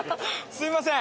すみません。